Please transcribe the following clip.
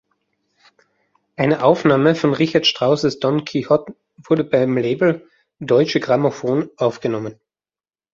Eine Aufnahme von Richard Strauss’ "Don Quixote" wurde beim Label Deutsche Grammophon aufgenommen.